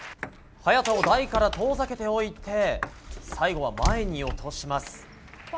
早田を台から遠ざけておいて最後は前に落とします。